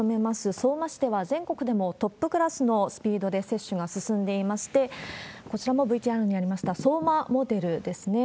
相馬市では、全国でもトップクラスのスピードで接種が進んでいまして、こちらもＶＴＲにありました、相馬モデルですね。